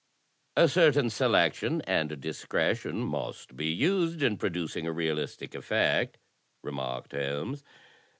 "A certain selection and discretion must be used in producing a realistic effect," remarked Holmes.